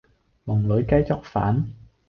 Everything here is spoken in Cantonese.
籠裏雞作反